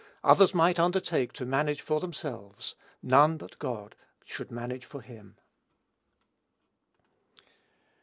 Others might undertake to manage for themselves: none but God should manage for him.